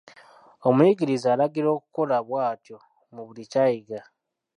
Omuyigiriza alagirwa okukola bw'atyo mu buli kya kuyiga